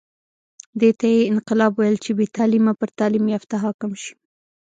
دې ته یې انقلاب ویل چې بې تعلیمه پر تعلیم یافته حاکم شي.